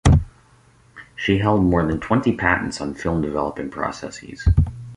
She held more than twenty patents on film developing processes.